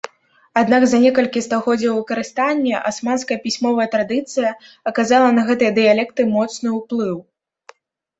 Аднак за некалькі стагоддзяў выкарыстання асманская пісьмовая традыцыя аказала на гэтыя дыялекты моцны ўплыў.